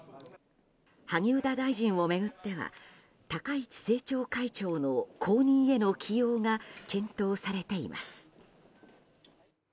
萩生田大臣を巡っては高市政調会長の後任への起用が検討されています。